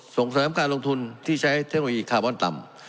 ส่งเสริมการลงทุนที่ใช้เทคโนโลยีคาร์บอนต่ำ